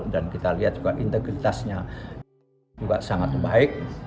dan kita lihat juga integritasnya juga sangat baik